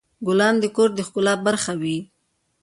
ګلان د کور د ښکلا برخه وي.